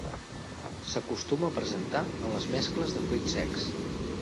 S'acostuma a presentar en les mescles de fruits secs.